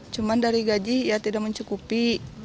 cuma dari gaji ya tidak mencukupi